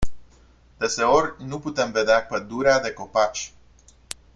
Deseori nu putem vedea pădurea de copaci.